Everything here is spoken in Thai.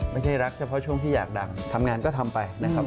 ไม่ใช่รักเฉพาะช่วงที่อยากดังทำงานก็ทำไปนะครับ